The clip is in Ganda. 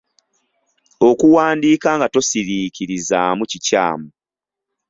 Okuwandiika nga tosiriikirizaamu kikyamu.